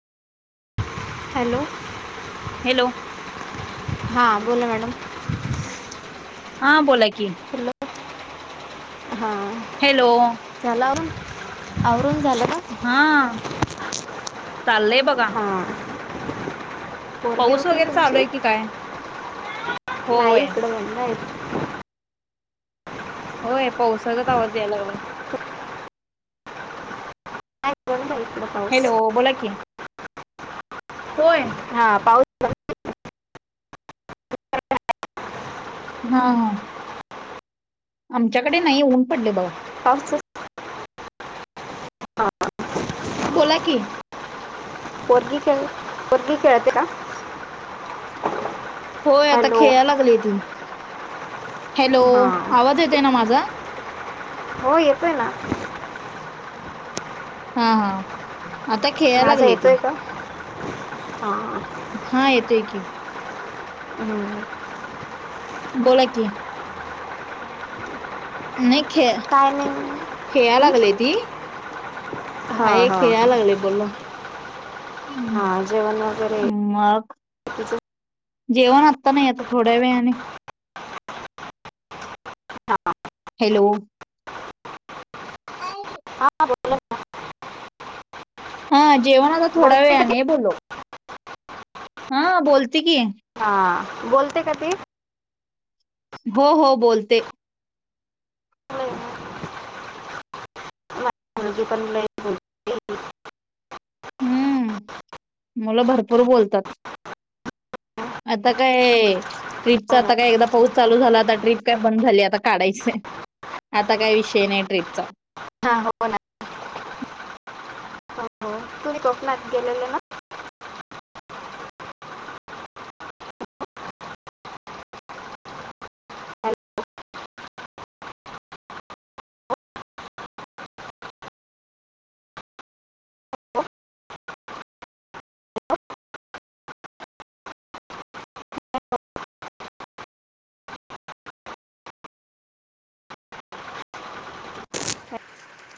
हा हॅलो बर. हॅलो हा बोला मॅडम हा बोला की हॅलो हा हॅलो झाला आवरून झालं ना हा चाले का बघा हां पोरगी पाऊस उठली वगैरे चालू तुमची आहे की काय होय नाहीई इकडे बंग आहेेत होय पावसागत आवाज यायला लागलाय [inaudible] इकडे पाऊस हो बोला की होय हा पाऊस बंद- हा हा आमच्याकडे नाही ऊन पडले बघा पाऊसच हां बोला की पोरगी खेळ पोरगी खेळते का होय आता हॅलो खेळा लागली ती हॅलो हां आवाज येते ना माझा हो येतो ना हा हा आता खेळायला माझा लागली ती येतोय का हा हा येतो ये की हम्म बोला कि नाही खेळ काय नाही खेळा हं? लागले ती हां हाय हां खेळा हां लागले बोला ह हां जेवण वगैरे मग तिचं जेवण आत्ता नाही आता थोड्या वेळाने हा हॅलो [inaudible] हा बोला ना हा जेवणाता थोडा वेळ बोलते का ती आणि बोलो हा बोलती की हा बोलते काधी हो हो बोलते [inaudible] हम्म मुलं भरपूर बोलतात आता काय ट्रीपचा हो ना आता काय एकदा पाऊस चालू झाला आता ट्रीप काय बंद झाली आता काढायंच आता काही विषय नाही ट्रीपचा हा हो ना हो तुम्ही कोकणात गेलेले ना ना [inaudible] [inaudible]